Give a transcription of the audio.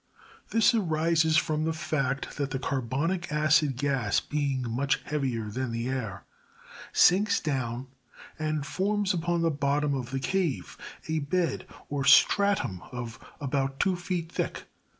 This arises from the fact that the carbonic acid gas being much heavier than the air, sinks down and forms upon the bottom of the cave a bed or stratum of about two feet thick.